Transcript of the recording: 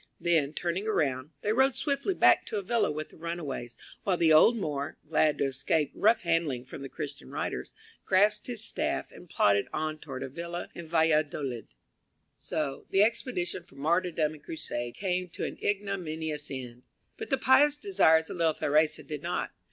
Then, turning around, they rode swiftly back to Avila with the runaways, while the old Moor, glad to have escaped rough handling from the Christian riders, grasped his staff and plodded on toward Avila and Valladolid. So the expedition for martyrdom and crusade came to an ignominious end. But the pious desires of little Theresa did not.